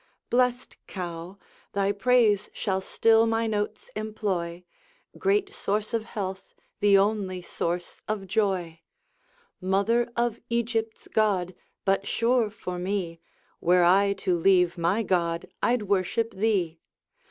Blest cow! thy praise shall still my notes employ, Great source of health, the only source of joy; Mother of Egypt's god, but sure, for me, Were I to leave my God, I'd worship thee.